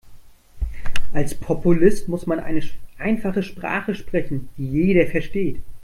Als Populist muss man eine einfache Sprache sprechen, die jeder versteht.